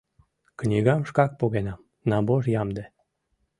Книгам шкак погенам, набор ямде...